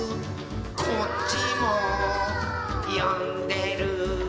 「こっちもよんでるー」